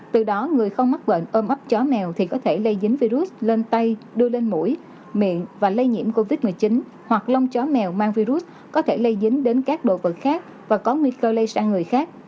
từ đó người không mắc bệnh ôm ấp chó mèo thì có thể lây dính virus lên tay đưa lên mũi miệng và lây nhiễm covid một mươi chín hoặc lông chó mèo mang virus có thể lây dính đến các đồ vật khác và có nguy cơ lây sang người khác